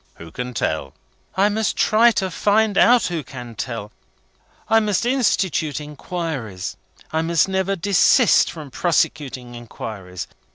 "Who can tell!" "I must try to find out who can tell. I must institute inquiries. I must never desist from prosecuting inquiries.